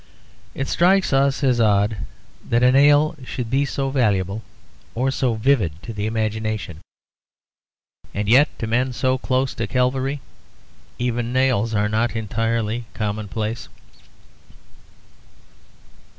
It strikes us as odd that a nail should be so valuable or so vivid to the imagination. And yet, to men so close to Calvary, even nails are not entirely commonplace.